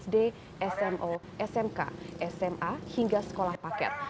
sd smo smk sma hingga sekolah paket